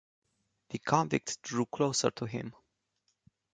The convict drew closer to him.